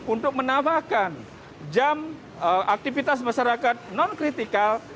untuk menambahkan jam aktifitas masyarakat non critical